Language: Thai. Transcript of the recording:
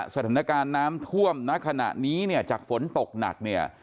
สถานการณ์น้ำท่วมณขณะนี้เนี่ยจากฝนตกหนักเนี่ย